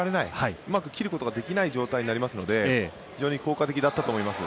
うまく切ることができない状態になりますので非常に効果的だったと思います。